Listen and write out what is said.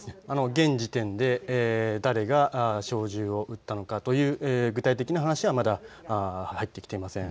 現時点で誰が小銃を撃ったのかという具体的な話はまだ入ってきていません。